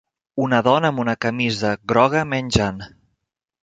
Una dona amb una camisa groga menjant.